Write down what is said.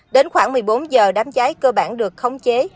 đến khoảng một mươi bốn h đám cháy cơ bản được khống chế